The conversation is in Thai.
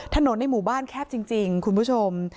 ในหมู่บ้านแคบจริงคุณผู้ชม